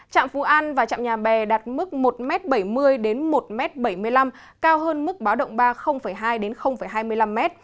trạm phú an và trạm nhà bè đạt mức một bảy mươi m đến một bảy mươi năm m cao hơn mức báo động ba mươi hai m đến hai mươi năm m